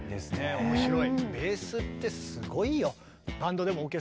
面白い。